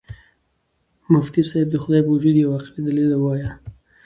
مفتي صاحب د خدای په وجود یو عقلي دلیل ووایه.